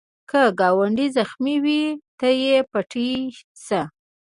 که ګاونډی زخمې وي، ته یې پټۍ شه